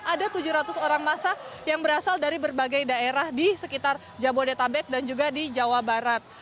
ada tujuh ratus orang masa yang berasal dari berbagai daerah di sekitar jabodetabek dan juga di jawa barat